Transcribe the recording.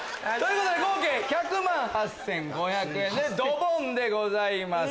合計１００万８５００円でドボンでございます。